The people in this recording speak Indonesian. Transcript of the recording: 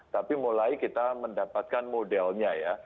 tapi mulai kita mendapatkan modelnya ya